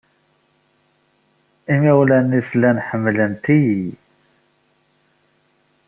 Imawlan-nnes llan ḥemmlent-iyi.